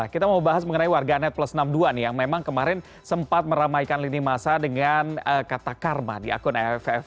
kita mau bahas mengenai warganet plus enam puluh dua nih yang memang kemarin sempat meramaikan lini masa dengan kata karma di akun aff